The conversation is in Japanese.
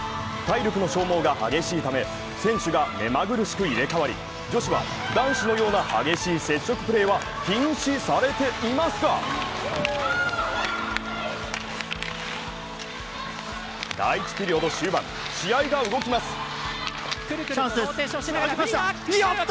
体力の消耗が激しいため、選手がめまぐるしく入れ替わり、女子は男子のような激しい接触プレーは禁止されていますが、第１ピリオド終盤、試合が動きます！